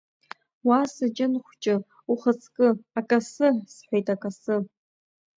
Уа, сыҷын хәҷы, ухаҵкы, акасы, – сҳәеит, акасы!